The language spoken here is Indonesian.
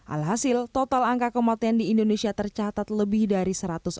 alhasil total angka kematian di indonesia tercatat lebih dari satu ratus enam puluh